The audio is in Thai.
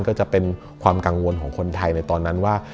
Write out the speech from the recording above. ก็จะเป็นความกังวลของคนไทยในตอนนั้นว่า